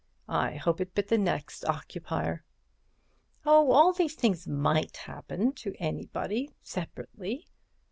I hope it bit the next occupier!" "Oh, all these things might happen to anybody—separately.